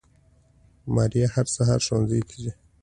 ماريه هر سهار ښوونځي ته ځي